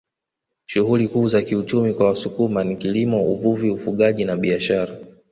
Shughuli kuu za kiuchumi kwa Wasukuma ni kilimo uvuvi ufugaji na biashara